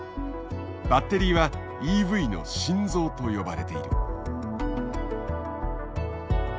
バッテリーはＥＶの心臓と呼ばれている。